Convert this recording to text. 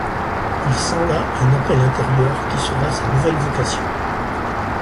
Il sent là un appel intérieur qui sera sa nouvelle vocation.